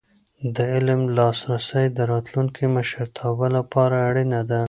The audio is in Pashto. د علم لاسرسی د راتلونکي مشرتابه لپاره اړینه ده.